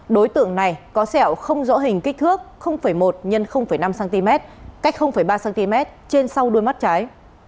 đối tượng này có sẹo không rõ hình kích thước một x năm cm cách ba cm trên sau đuôi mắt trái